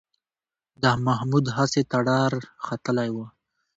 د محمود هسې ټرار ختلی و